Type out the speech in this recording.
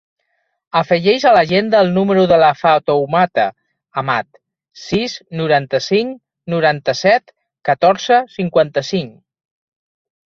Afegeix a l'agenda el número de la Fatoumata Amat: sis, noranta-cinc, noranta-set, catorze, cinquanta-cinc.